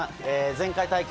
前回大会